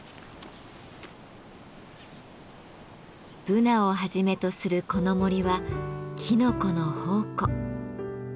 ブナをはじめとするこの森はきのこの宝庫。